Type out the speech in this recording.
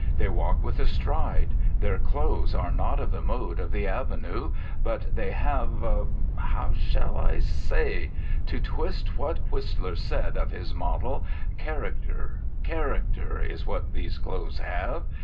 They walk with a stride. Their clothes are not of the mode of the Avenue, but they have how shall I say? To twist what Whistler said of his model: Character, character is what these clothes have.